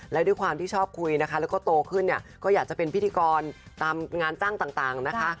และด้วยความที่ชอบคุยนะคะแล้วก็โตขึ้นเนี่ยก็อยากจะเป็นพิธีกรตามงานจ้างต่างนะคะ